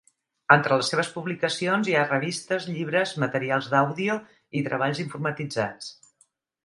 Entre les seves publicacions hi ha revistes, llibres, materials d'àudio i treballs informatitzats.